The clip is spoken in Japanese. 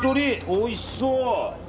おいしそう。